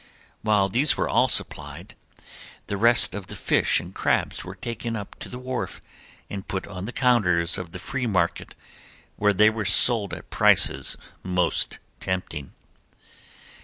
When these were all supplied the rest of the fish and crabs were taken up to the wharf and put on the counters of the free market, where they were sold at prices most tempting.